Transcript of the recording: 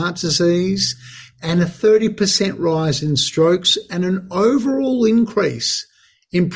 adalah kematian kesehatan mental yang lebih tinggi